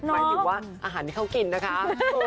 หมายถึงว่าอาหารที่เขากินนะคะ